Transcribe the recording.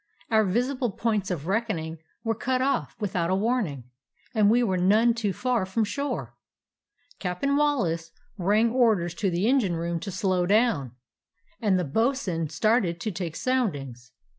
"Our visible points of reckoning were cut off without a warning, and we were none too far from shore. Cap'n Wallace rang or ders to the engine room to slow down, and the bo'sun started to take soundings.